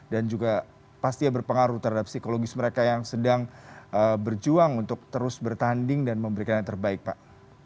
juga pastinya berpengaruh terhadap psikologis mereka yang sedang berjuang untuk terus bertanding dan memberikan yang terbaik pak